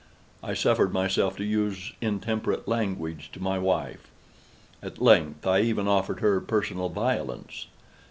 I suffered myself to use intemperate language to my wife. At length, I even offered her personal violence.